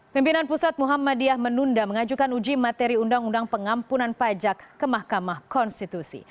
pimpinan pusat muhammadiyah menunda mengajukan uji materi undang undang pengampunan pajak ke mahkamah konstitusi